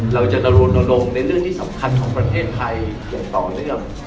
เราจะดรณรงค์ในเรื่องที่สำคัญของประเทศไทยอย่างต่อเนื่อง